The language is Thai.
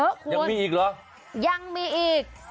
ครับยังมีอีกหรอยังมีอีก